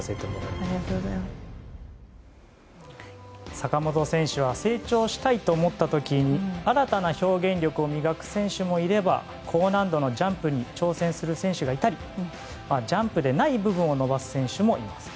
坂本選手は成長したいと思った時に新たな表現力を磨く選手もいれば高難度のジャンプに挑戦する選手がいたりジャンプでない部分を伸ばす選手もいます。